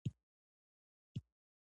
لامل يي مينه ده